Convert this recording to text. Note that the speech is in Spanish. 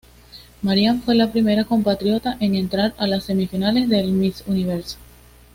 Marian fue la primera compatriota en entrar a las semifinales de Miss Universo.